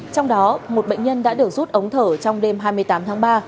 trong đó một bệnh nhân đã được rút ống thở trong đêm hai mươi tám tháng ba